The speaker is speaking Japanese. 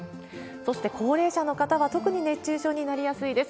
そして高齢者の方は特に熱中症になりやすいです。